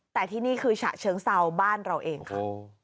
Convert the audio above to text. แต่ที่นี่คือฉะเชิงเซาบ้านเราเองค่ะ